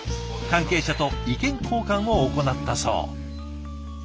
関係者と意見交換を行ったそう。